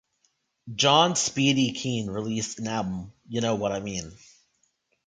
John "Speedy" Keen released an album "Y' Know Wot I Mean?